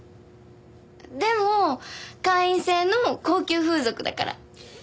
でも会員制の高級風俗だから。